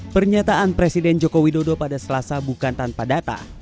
pernyataan presiden joko widodo pada selasa bukan tanpa data